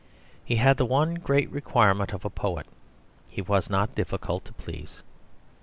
He had the one great requirement of a poet he was not difficult to please.